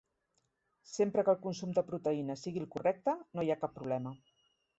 Sempre que el consum de proteïnes sigui el correcte, no hi ha cap problema.